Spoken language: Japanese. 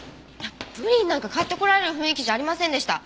プリンなんか買ってこられる雰囲気じゃありませんでした。